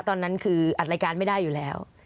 ตอนนั้นคืออัดรายการไม่ได้อยู่แล้ว